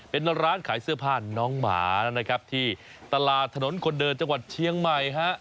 เป็นร้านขายเสื้อผ้าน้องหมานะครับที่ตลาดถนนคนเดินจังหวัดเชียงใหม่ฮะ